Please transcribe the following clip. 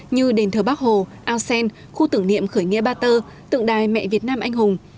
như đền thờ bắc hồ ao sen khu tưởng niệm khởi nghĩa ba tơ tượng đài mẹ việt nam anh hùng